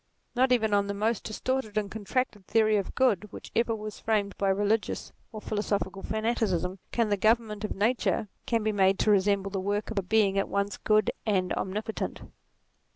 Not even on the most distorted and contracted theory of good which ever was framed by religious or philosophical fanaticism, can the government of Nature be made to resemble the work of a being at once good and omnipotent.